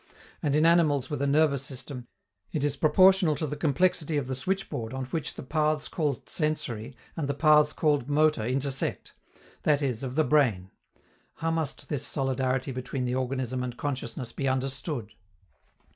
And in animals with a nervous system, it is proportional to the complexity of the switchboard on which the paths called sensory and the paths called motor intersect that is, of the brain. How must this solidarity between the organism and consciousness be understood?